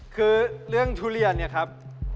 คือเรื่องทุเรียนเนี่ยครับ